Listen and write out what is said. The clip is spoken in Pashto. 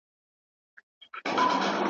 جوړه کړې یې په چت کي ځالګۍ وه ,